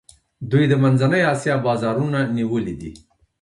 دوی د منځنۍ آسیا بازارونه نیولي دي.